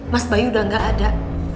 mas bayu udah gak ada